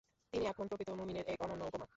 তিনি এখন প্রকৃত মুমিনের এক অনন্য উপমা।